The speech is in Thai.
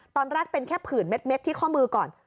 ตอนแรกเป็นแค่ผื่นเม็ดที่ข้อมือก่อน